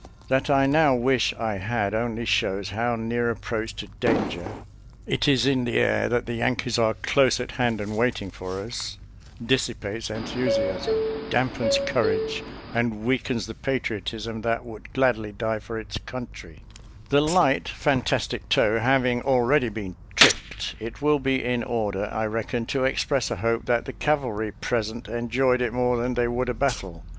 That I now wish I had, only shows how near approach to danger Mrs. Maud J. Young OUR FRIBND IN NKBD FACING 50 BATTLE OF SEVEN PINES 51 — it is in the air, that the Yankees are close at hand and waiting for us — dissipates enthusiasm, dampens courage and weakens the patriotism that would gladly die for its country. The " light, fantastic toe " having already been " tripped," it will be in order, I reckon, to express a hope that the cavalry present enjoyed it more than they would a battle.